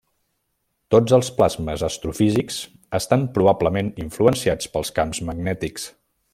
Tots els plasmes astrofísics estan probablement influenciats pels camps magnètics.